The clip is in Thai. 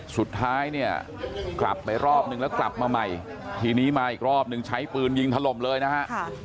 สุดท้ายเนี่ยกลับไปรอบนึงแล้วกลับมาใหม่ทีนี้มาอีกรอบนึงใช้ปืนยิงถล่มเลยนะฮะ